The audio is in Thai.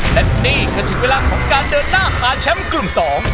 และนี่ก็ถึงเวลาของการเดินหน้าหาแชมป์กลุ่มสอง